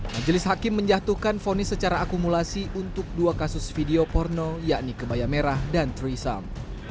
majelis hakim menjatuhkan fonis secara akumulasi untuk dua kasus video porno yakni kebaya merah dan trisam